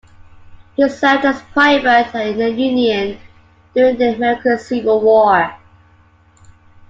He served as a private in the Union during the American Civil War.